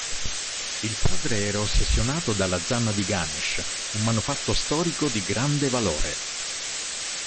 Il padre era ossessionato dalla Zanna di Ganesh, un manufatto storico di grande valore.